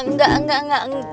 enggak enggak enggak enggak